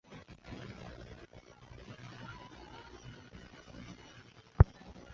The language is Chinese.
外交则可同其他势力结盟或停战。